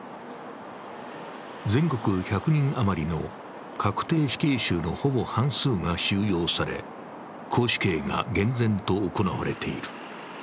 全国１００人余りの確定死刑囚のほぼ半数が収容され、絞首刑が厳然と行われている。